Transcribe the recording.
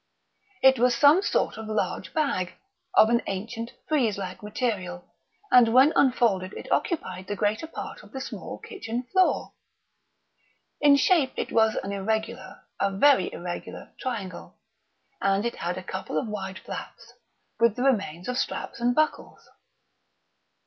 It was some sort of a large bag, of an ancient frieze like material, and when unfolded it occupied the greater part of the small kitchen floor. In shape it was an irregular, a very irregular, triangle, and it had a couple of wide flaps, with the remains of straps and buckles.